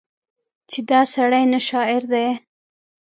چې دا سړی نه شاعر دی